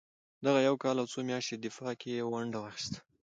دغه یو کال او څو میاشتني دفاع کې یې ونډه واخیسته.